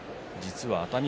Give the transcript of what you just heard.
熱海